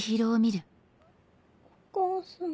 お母さん？